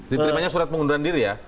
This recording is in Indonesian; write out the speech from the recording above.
diterimanya surat pengunduran diri ya